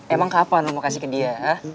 emang kapan mau kasih ke dia